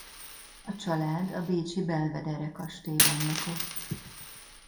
A család a bécsi Belvedere kastélyban lakott.